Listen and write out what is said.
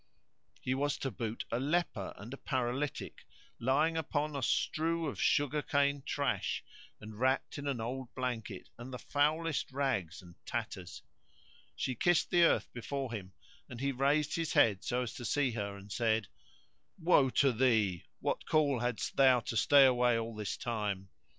He was to boot a leper and a paralytic, lying upon a strew of sugar cane trash and wrapped in an old blanket and the foulest rags and tatters. She kissed the earth before him, and he raised his head so as to see her and said, "Woe to thee! what call hadst thou to stay away all this time?